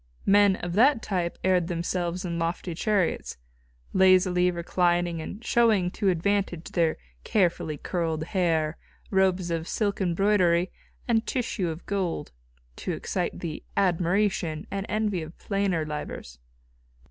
Men of that type aired themselves in lofty chariots, lazily reclining and showing to advantage their carefully curled hair, robes of silk embroidery and tissue of gold, to excite the admiration and envy of plainer livers.